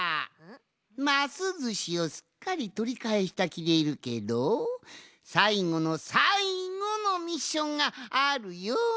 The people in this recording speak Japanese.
ますずしをすっかりとりかえしたきでいるけどさいごのさいごのミッションがあるよん。